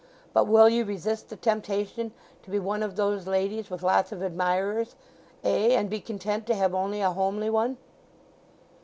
But will ye resist the temptation to be one of those ladies with lots of admirers—ay—and be content to have only a homely one?"